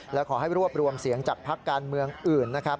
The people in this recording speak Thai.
และขอให้รวบรวมเสียงจากพักการเมืองอื่นนะครับ